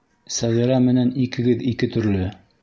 Сәғирә менән икегеҙ ике төрлө.